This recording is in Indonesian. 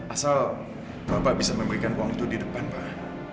asal bapak bisa memberikan uang itu di depan pak